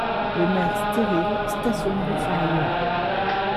Les maires stériles stationneront sur la Lune.